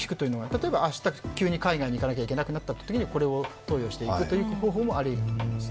例えば明日急に海外に行かなきゃいけなくなったというときにこれを投与していく方法もありえます。